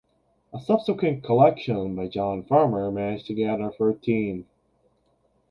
A subsequent collection by John Farmer managed to gather thirteen.